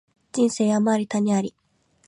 人生山あり谷あり